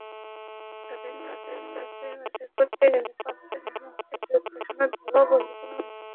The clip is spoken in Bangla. তাঁদের মধ্যে যাচাই–বাছাই করতে গেলে পাঁচজনের মুক্তিযোদ্ধা সনদ ভুয়া বলে প্রমাণিত হয়।